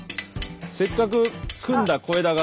せっかく組んだ小枝が。